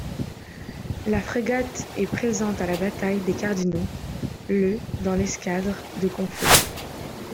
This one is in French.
La frégate est présente à la bataille des Cardinaux, le dans l'escadre de Conflans.